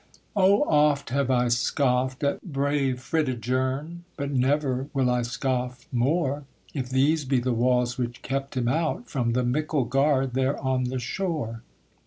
'Oh oft have I scoffed at brave Fridigern, But never will I scoff more, If these be the walls which kept him out From the Micklegard there on the shore.'